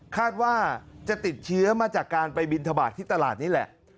คาดว่าจะติดเชื้อมาจากการไปบินทบาทที่ตลาดนี่แหละ